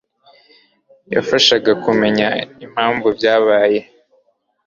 yashakaga kumenya impamvu byabaye.